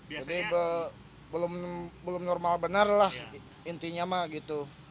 jadi belum normal benar lah intinya mah gitu